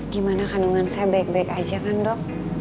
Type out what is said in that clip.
gimana kandungan saya baik baik aja kan dok